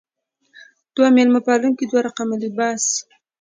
دوه میلمه پالونکې دوه رقم لباس.